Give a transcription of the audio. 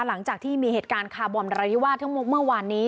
หลังจากที่มีเหตุการณ์คาร์บอมระวิวาสทั้งหมดเมื่อวานนี้